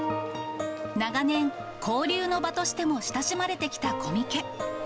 長年、交流の場としても親しまれてきたコミケ。